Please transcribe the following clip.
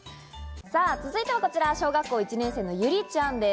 続いてはこちら、小学校１年生のゆりちゃんです。